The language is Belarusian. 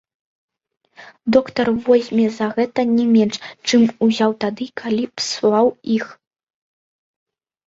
Доктар возьме за гэта не менш, чым узяў тады, калі псаваў іх.